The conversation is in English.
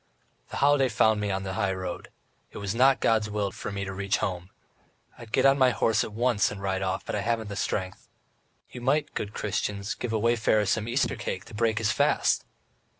"The holiday found me on the high road. It was not God's will for me to reach home. I'd get on my horse at once and ride off, but I haven't the strength. ... You might, good Christians, give a wayfarer some Easter cake to break his fast!"